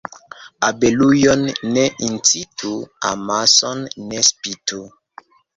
Abelujon ne incitu, amason ne spitu.